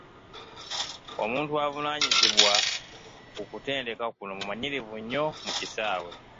Omuntu avunaanyizibwa ku kutendeka kuno mumanyirivu nnyo mu kisaawe .